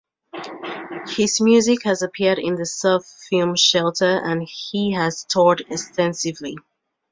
His music has appeared in the surf film "Shelter" and he has toured extensively.